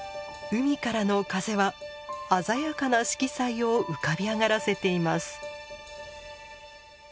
海からの風は鮮やかな色彩を浮かび上がらせています。